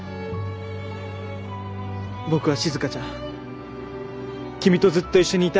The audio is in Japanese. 僕はしずかちゃん君とずっと一緒にいたい。